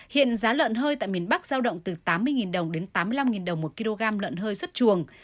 hiện giá lợn hơi tại miền bắc giao động từ tám mươi đồng đến tám mươi năm đồng một kg lợn hơi xuất chuồng